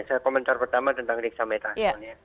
saya komentar pertama tentang deksamitason ya